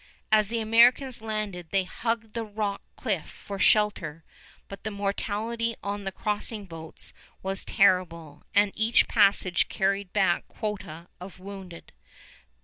As the Americans landed they hugged the rock cliff for shelter, but the mortality on the crossing boats was terrible; and each passage carried back quota of wounded.